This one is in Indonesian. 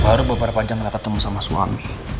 baru beberapa jam rata temu sama suami